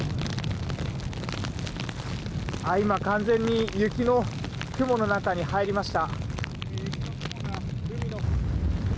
今、完全に雪の雲の中に入りました。